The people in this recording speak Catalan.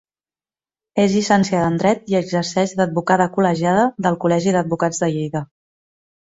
És llicenciada en dret i exerceix d'advocada col·legiada del Col·legi d'Advocats de Lleida.